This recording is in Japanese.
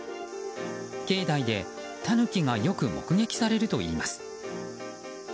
境内でタヌキがよく目撃されるといいます。